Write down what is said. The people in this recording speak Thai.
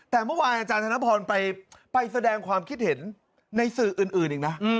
แต่เมื่อวานอาจารย์ธนพรไปแสดงความคิดเห็นในสื่ออื่นอีกนะ